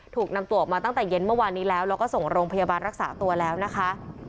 ถูกนำตัวออกมาตั้งแต่เย็นเมื่อวานนี้แล้วแล้วก็ส่งโรงพยาบาลรักษาตัวแล้วนะคะ